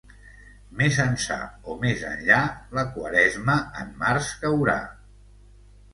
Més ençà o més enllà, la Quaresma en març caurà.